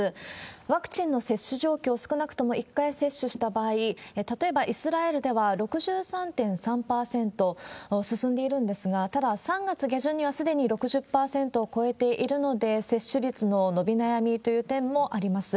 ワクチンの接種状況、少なくとも１回接種した場合、例えばイスラエルでは６３．３％進んでいるんですが、ただ３月下旬にはすでに６０％を超えているので、接種率の伸び悩みという点もあります。